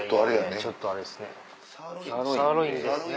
ちょっとあれですね。